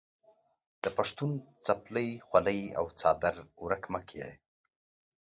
د پښتون څپلۍ، خولۍ او څادر ورک مه کې.